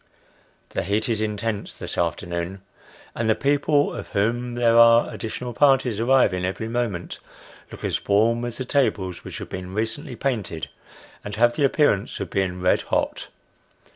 The heat is intense this afternoon, and the people, of whom there are additional parties arriving every moment, look as warm as the tables which have been recently painted, and have the appearance of being red hot.